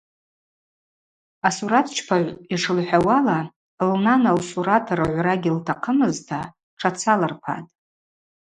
Асуратчпагӏв йшылхӏвауала, лнана лсурат ргӏвра гьылтахъымызтӏта тшацалырпатӏ.